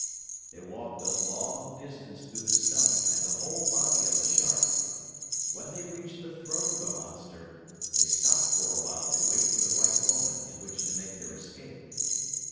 They walked a long distance through the stomach and the whole body of the Shark. When they reached the throat of the monster, they stopped for a while to wait for the right moment in which to make their escape.